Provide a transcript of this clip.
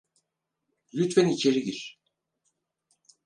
Lütfen içeri gir.